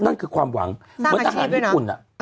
นั่นคือความหวังเหมือนทหารญี่ปุ่น